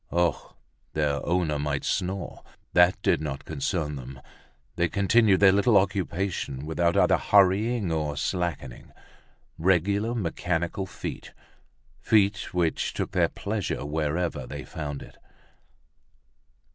Oh! their owner might snore, that did not concern them, they continued their little occupation without either hurrying or slackening. Regular mechanical feet, feet which took their pleasure wherever they found it.